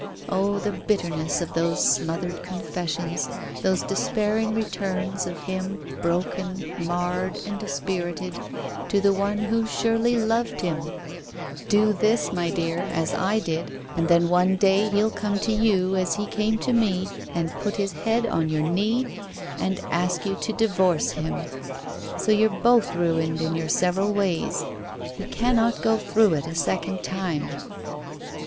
Oh, the bitterness of those smothered con Digitized by Google 54 TALES OF THE UNEASY fessions, those despairing returns of him, broken, marred and dispirited, to the one who surely loved him I Do this, my dear, as I did, and then one day he'll come to you, as he came to me, and put his head on your knee and ask you to divorce him. So you're both ruined in your several ways. He cannot go through it a second time.